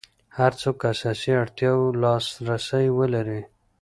هر څوک اساسي اړتیاوو لاس رسي ولري.